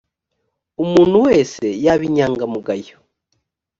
umuntu wese yaba inyangamugayo